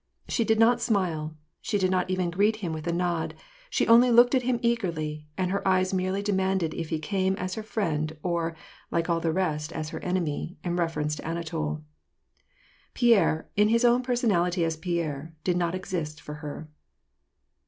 She did not smile, she did not even greet him with a nod, she only looked at him eagerly, and her eyes merely demanded if he came as her friend, or, like all the rest, as her enemy, in reference to Ana tol. Pierre, in his own personality as Pierre, did not exist for her.